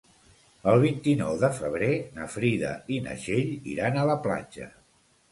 El vint-i-nou de febrer na Frida i na Txell iran a la platja.